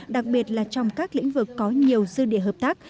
đặc biệt là trong các lĩnh vực có nhiều dư địa hợp tác